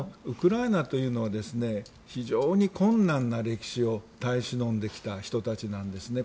ウクライナというのは非常に困難な歴史を耐え忍んできた人たちです。